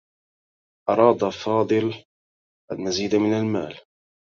أراد فاضل المزيد من المال.